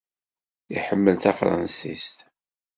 Iḥemmel tafṛansist.